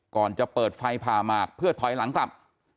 ก่อนจะเปิดไฟผ่าหมากเพื่อถอยหลังกลับ